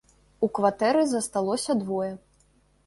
У кватэры засталося двое.